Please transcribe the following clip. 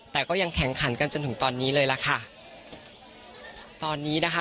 แต่ก็ยังแข่งขันกันจนถึงตอนนี้เลยล่ะค่ะตอนนี้นะคะ